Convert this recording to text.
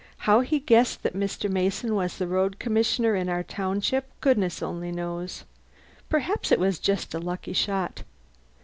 How he guessed that Mr. Mason was the road commissioner in our township, goodness only knows. Perhaps it was just a lucky shot.